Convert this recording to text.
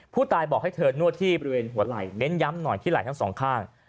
ผู้ตายบอกให้เธอนวดที่บริเวณหัวไหล่เน้นย้ำหน่อยที่ไหล่ทั้งสองข้าง